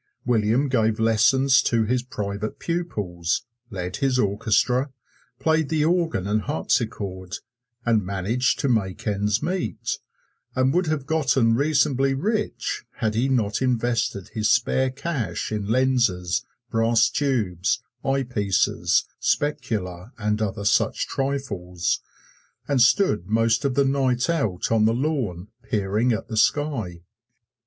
William gave lessons to his private pupils, led his orchestra, played the organ and harpsichord, and managed to make ends meet, and would have gotten reasonably rich had he not invested his spare cash in lenses, brass tubes, eyepieces, specula and other such trifles, and stood most of the night out on the lawn peering at the sky.